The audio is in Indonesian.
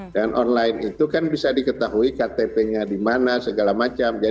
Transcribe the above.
dan online itu kan bisa diketahui ktp nya dimana segala macam